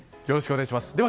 よろしくお願いします。